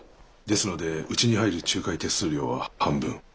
ですのでうちに入る仲介手数料は半分。